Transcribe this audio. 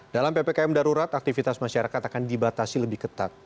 dalam ppkm darurat aktivitas masyarakat akan dibatasi lebih ketat